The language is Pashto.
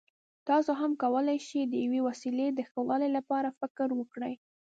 تاسو هم کولای شئ د یوې وسیلې د ښه والي لپاره فکر وکړئ.